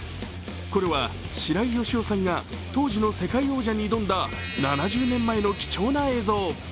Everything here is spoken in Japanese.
これは白井義男さんが当時の世界王者に挑んだ７０年前の貴重な映像。